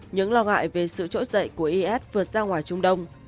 những lo ngại về sự trỗi dậy của is vượt ra ngoài trung đông